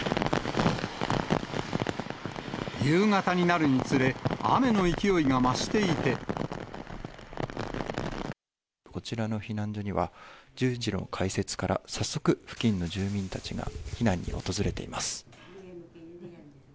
夕方になるにつれ、こちらの避難所には、１０時の開設から、早速、付近の住民たちが避難に訪れています。